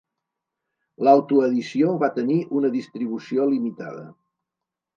L'autoedició va tenir una distribució limitada.